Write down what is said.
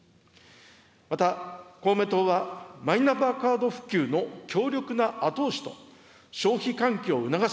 また、公明党はマイナンバーカード普及の強力な後押しと消費喚起を促す